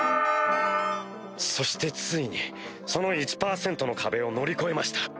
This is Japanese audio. そしてついにその１％の壁を乗り越えました。